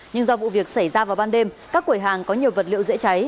nhưng do vụ việc xảy ra vào ban đêm các quầy hàng có nhiều vật liệu dễ cháy